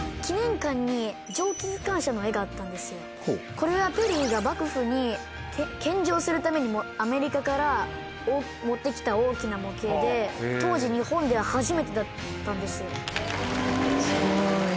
これはペリーが幕府に献上するためにアメリカから持ってきた大きな模型で当時日本では初めてだったんですよ。